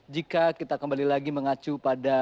jika kita kembali lagi mengacu pada